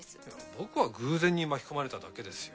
僕は偶然に巻き込まれただけですよ。